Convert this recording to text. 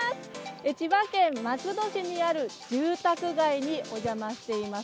千葉県松戸市にある住宅街にお邪魔しています。